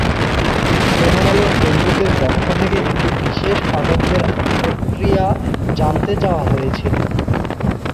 প্রথম আলোর ফেসবুকের পক্ষ থেকে এ বিষয়ে পাঠকদের প্রতিক্রিয়া জানতে চাওয়া হয়েছিল।